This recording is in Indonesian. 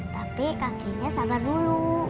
tapi kakeknya sabar dulu